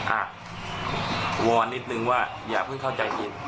อ่ะวอนนิดนึงว่าอย่าเพิ่งเข้าใจผิด